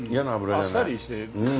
あっさりして。